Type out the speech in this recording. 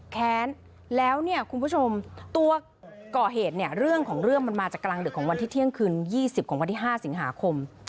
แค้นแล้วเนี่ยคุณผู้ชมตัวก่อเหตุเนี่ยเรื่องของเรื่องมันมาจากกลางดึกของวันที่เที่ยงคืน๒๐ของวันที่๕สิงหาคม